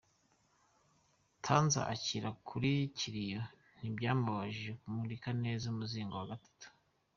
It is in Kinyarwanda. Tonzi akiri ku kiriyo ntibyamubujije kumurika neza umuzingo wa gatatu